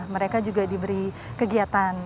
mereka juga diberi kegiatan